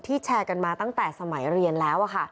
แชร์กันมาตั้งแต่สมัยเรียนแล้ว